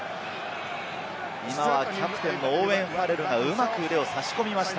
今はキャプテンのオーウェン・ファレルがうまく腕を差し込みました。